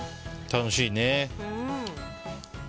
楽しいね。